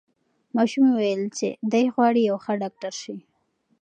ماشوم وویل چې دی غواړي یو ښه ډاکټر سي.